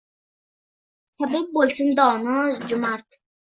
Tabib boʼlsin dono, jumard